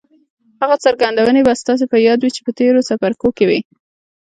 هغه څرګندونې به ستاسې په ياد وي چې په تېرو څپرکو کې وې.